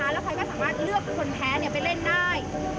แล้วพลอยก็สามารถเลือกคนแพ้ไปเล่นได้